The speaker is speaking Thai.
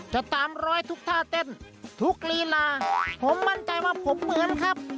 จะตามร้อยทุกท่าเต้นทุกลีลาผมมั่นใจว่าผมเหมือนครับ